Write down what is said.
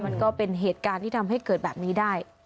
มันก็เป็นเหตุการณ์ที่ทำให้เกิดแบบนี้ได้